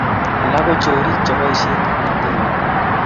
alak ko chorik cheboishe kimnatet ne o